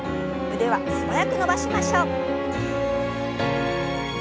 腕は素早く伸ばしましょう。